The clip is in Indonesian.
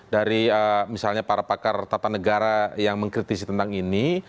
dari misalnya para pakar tata negara yang mengkritisi tentang ini